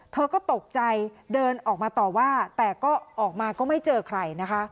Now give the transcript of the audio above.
เธอก็ตกใจเดินออกมาต่อว่าแต่ก็ออกมาก็ไม่เจอใครนะคะ